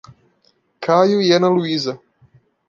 Caio e Ana Luiza